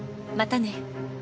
またね。